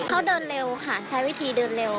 เขาเดินเร็วค่ะใช้วิธีเดินเร็ว